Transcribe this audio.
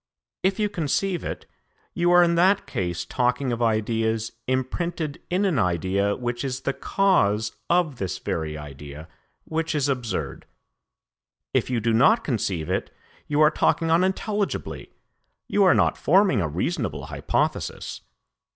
If you conceive it, you are in that case talking of ideas imprinted in an idea which is the cause of this very idea, which is absurd. If you do not conceive it, you are talking unintelligibly, you are not forming a reasonable hypothesis.'